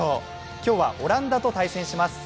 今日はオランダと対戦します。